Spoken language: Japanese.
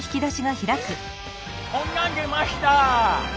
こんなん出ました。